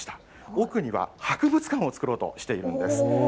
奥には、博物館を作ろうとしているんです。